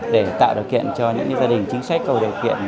để tạo điều kiện cho những gia đình chính sách có điều kiện